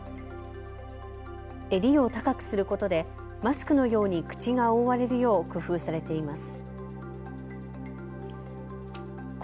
襟を高くすることでマスクのように口が覆われるよう工夫されています。